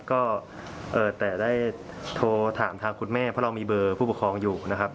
ก็แต่ได้โทรถามทางคุณแม่เพราะเรามีเบอร์ผู้ปกครองอยู่นะครับ